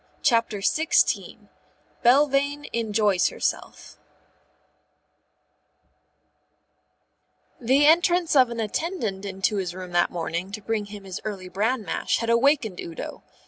CHAPTER XVI BELVANE ENJOYS HERSELF The entrance of an attendant into his room that morning to bring him his early bran mash had awakened Udo.